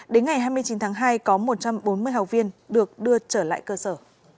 đến ngày hai mươi chín tháng hai có một trăm bốn mươi học viên được đưa trở lại cơ sở